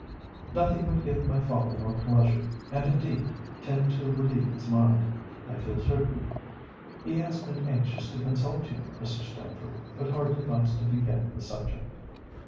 "Nothing would give my father more pleasure, and, indeed, tend to relieve his mind. I feel certain he has been anxious to consult you, Mr. Stamford, but hardly likes to begin the subject."